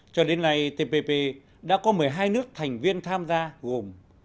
cho đến nay tpp đã có một mươi hai nước thành viên tham gia gồm